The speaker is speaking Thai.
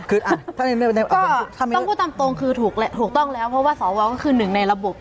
คือต้องพูดตามตรงคือถูกต้องแล้วเพราะว่าสวก็คือหนึ่งในระบบ